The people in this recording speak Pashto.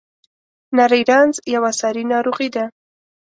نری رنځ یوه ساري ناروغي ده.